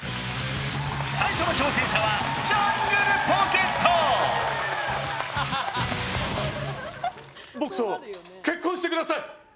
最初の挑戦者は僕と結婚してください